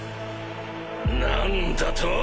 何だと？